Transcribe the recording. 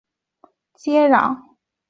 南边与库雅雷克接壤。